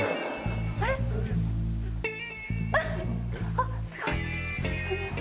あっすごい。